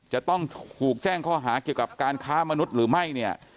จะต้องถูกแจ้งข้อหาเกี่ยวกับการค้ามนุษย์หรือไม่เนี่ย